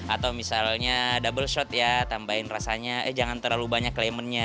atau misalnya double shot ya tambahin rasanya eh jangan terlalu banyak clementnya